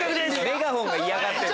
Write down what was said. メガホンが嫌がってる。